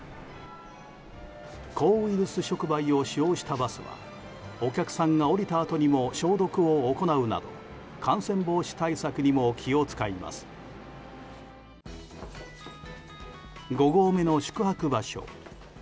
抗ウイルス触媒を使用したバスはお客さんが降りたあとにも消毒を行うなど感染防止対策にも気を使います。